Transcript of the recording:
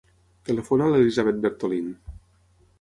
Telefona a l'Elisabeth Bertolin.